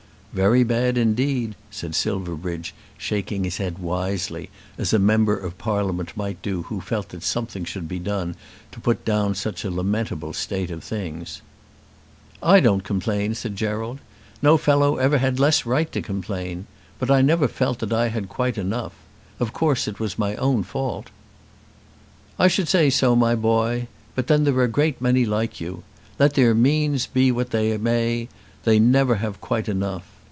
"Very bad indeed," said Silverbridge, shaking his head wisely, as a Member of Parliament might do who felt that something should be done to put down such a lamentable state of things. "I don't complain," said Gerald. "No fellow ever had less right to complain. But I never felt that I had quite enough. Of course it was my own fault." "I should say so, my boy. But then there are a great many like you. Let their means be what they may, they never have quite enough.